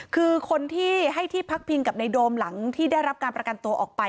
คือคนที่ให้ที่พักพิงกับในโดมหลังที่ได้รับการประกันตัวออกไป